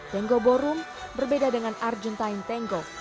tango ballroom berbeda dengan argentine tango